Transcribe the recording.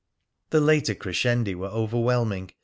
The later crescendi were overwhelming.